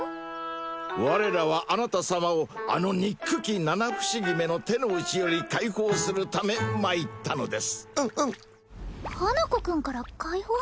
我らはあなた様をあのにっくき七不思議めの手のうちより解放するためまいったのですうんうん花子くんから解放？